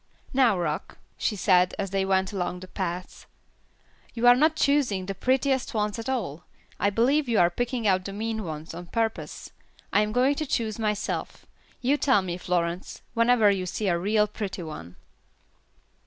"Now, Rock," she said, as they went along the paths, "you are not choosing the prettiest ones at all. I believe you are picking out the mean ones on purpose; I am going to choose myself. You tell me, Florence, whenever you see a real pretty one."